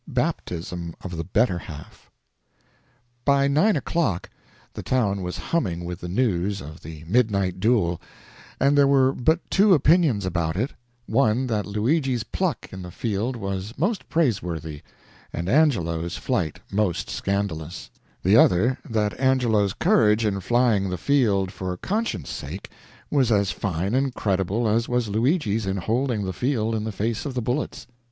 BAPTISM OF THE BETTER HALF By nine o'clock the town was humming with the news of the midnight duel, and there were but two opinions about it: one, that Luigi's pluck in the field was most praiseworthy and Angelo's flight most scandalous; the other, that Angelo's courage in flying the field for conscience' sake was as fine and creditable as was Luigi's in holding the field in the face of the bullets.